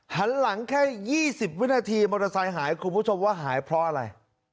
หันหลังแค่๒๐วินาทีมอเตอร์ไซค์หายคุณผู้ชมว่าหายเพราะอะไร